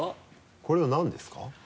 これは何ですか？